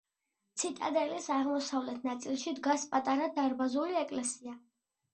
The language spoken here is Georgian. ციტადელის აღმოსავლეთ ნაწილში დგას პატარა დარბაზული ეკლესია.